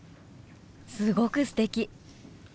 すごくすてき！